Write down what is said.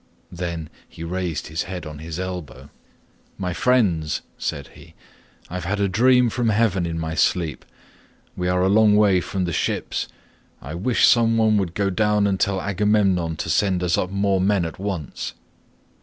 Then he raised his head on his elbow. "'My friends,' said he, 'I have had a dream from heaven in my sleep. We are a long way from the ships; I wish some one would go down and tell Agamemnon to send us up more men at once.